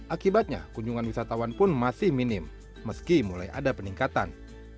akibatnya kunjungan wisatawan pun masih minim meski mulai ada peningkatan